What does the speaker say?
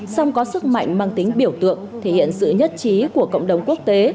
song có sức mạnh mang tính biểu tượng thể hiện sự nhất trí của cộng đồng quốc tế